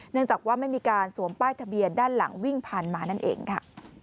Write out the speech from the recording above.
เนื่องจากว่าไม่มีการสวมป้ายทะเบียนด้านหลังวิ่งผ่านมานั่นเองค่ะ